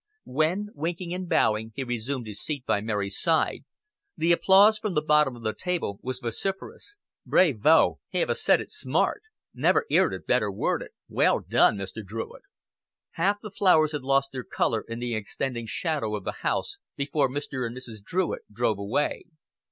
When, winking and bowing, he resumed his seat by Mary's side, the applause from the bottom of the table was vociferous. "Brayvo. He hev a said it smart. Never 'eard it better worded. Well done, Mr. Druitt." Half the flowers had lost their color in the extending shadow of the house before Mr. and Mrs. Druitt drove away.